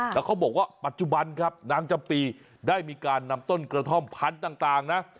แล้วเขาบอกว่าปัจจุบันครับนางจำปีได้มีการนำต้นกระท่อมพันธุ์ต่างนะ